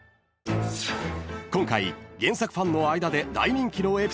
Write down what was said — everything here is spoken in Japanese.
［今回原作ファンの間で大人気のエピソード